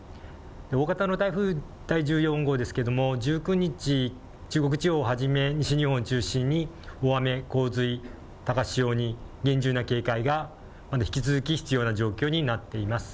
大型の台風１４号ですけれども、１９日、中国地方をはじめ西日本中心に、大雨、洪水、高潮に厳重な警戒が引き続き必要な状況になっています。